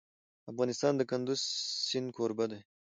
افغانستان د کندز سیند کوربه دی.